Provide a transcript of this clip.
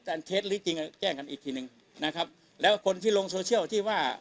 อันเท็จหรือจริงแจ้งกันอีกทีหนึ่งนะครับแล้วคนที่ลงโซเชียลที่ว่า